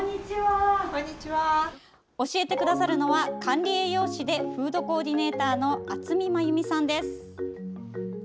教えてくださるのは管理栄養士でフードコーディネーターの渥美まゆ美さんです。